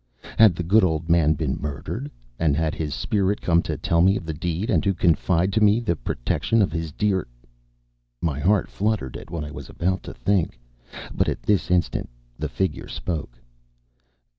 Had the good old man been murdered? and had his spirit come to tell me of the deed, and to confide to me the protection of his dear ? My heart fluttered at what I was about to think, but at this instant the figure spoke.